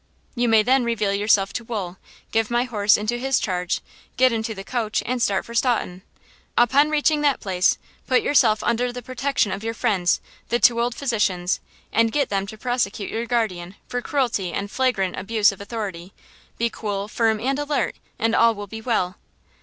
You may then reveal yourself to Wool, give my horse into his charge, get into the coach and start for Staunton. Upon reaching that place, put yourself under the protection of your friends, the two old physicians, and get them to prosecute your guardian for cruelty and flagrant abuse of authority. Be cool, firm and alert, and all will be well!"